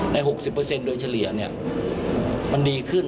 ๖๐โดยเฉลี่ยมันดีขึ้น